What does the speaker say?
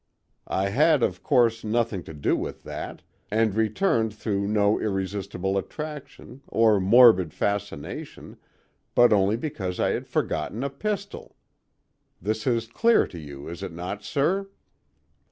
I had, of course, nothing to do with that, and returned through no irresistible attraction, or morbid fascination, but only because I had forgotten a pistol. This is clear to you, is it not, sir?"